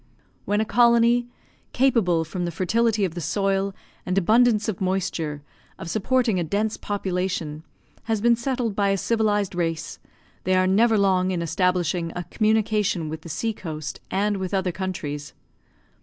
When a colony, capable, from the fertility of the soil and abundance of moisture, of supporting a dense population, has been settled by a civilised race, they are never long in establishing a communication with the sea coast and with other countries.